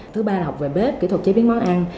thứ ba là học về bếp kỹ thuật chế biến món ăn